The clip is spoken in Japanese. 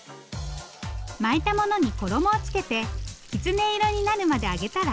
巻いたものに衣をつけてきつね色になるまで揚げたら。